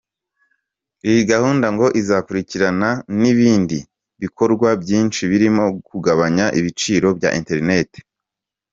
Iyi gahunda ngo izakurikirana n’ibindi bikorwa byinshi birimo kugabanya ibiciro bya internet.